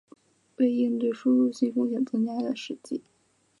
为应对输入性风险增加的实际